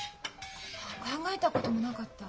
考えたこともなかった。